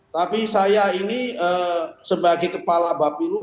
tapi saya ini sebagai kepala bapilu